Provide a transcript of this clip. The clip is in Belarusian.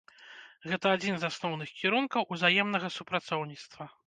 Гэта адзін з асноўных кірункаў узаемнага супрацоўніцтва.